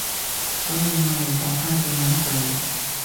所以我嚟咗花店搵佢